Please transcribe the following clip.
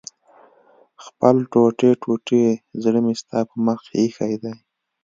خپل ټوټې ټوټې زړه مې ستا په مخ کې ايښی دی